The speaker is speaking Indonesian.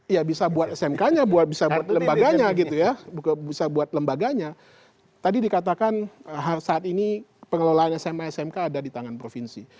ya bisa buat smk nya buat bisa buat lembaganya gitu ya bisa buat lembaganya tadi dikatakan saat ini pengelolaan sma smk ada di tangan provinsi